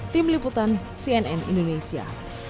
tim liputan cnn indonesia